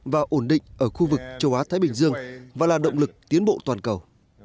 và ổn định ở khu vực châu á thái bình dương và là động lực tiến bộ toàn cầu